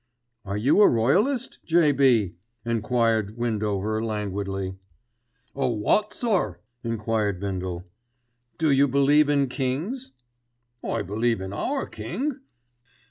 "Are you a royalist, J.B.?" enquired Windover languidly. "A wot, sir?" enquired Bindle. "Do you believe in kings?" "I believe in our King."